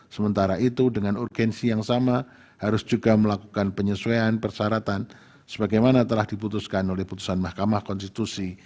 sementara itu dengan urgensi yang sama harus juga melakukan penyesuaian persyaratan sebagaimana telah diputuskan oleh putusan mahkamah konstitusi